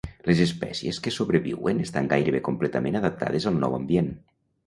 Les espècies que sobreviuen estan gairebé completament adaptades al nou ambient.